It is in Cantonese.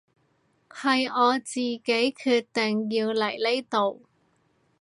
係我自己決定要嚟呢度